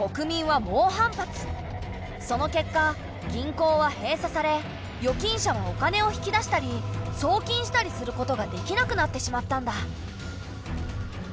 その結果銀行は閉鎖され預金者はお金を引き出したり送金したりすることができなくなってしまったんだ。